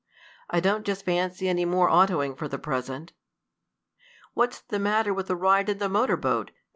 "I don't just fancy any more autoing for the present." "What's the matter with a ride in the motor boat?"